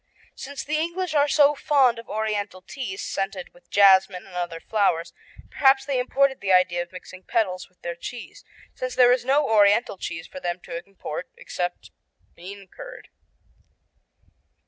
Since the English are so fond of oriental teas scented with jasmine and other flowers, perhaps they imported the idea of mixing petals with their cheese, since there is no oriental cheese for them to import except bean curd.